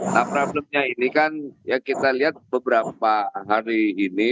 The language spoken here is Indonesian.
nah problemnya ini kan kita lihat beberapa hari ini